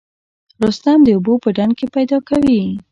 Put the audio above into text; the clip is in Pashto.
رستم د اوبو په ډنډ کې پیدا کوي.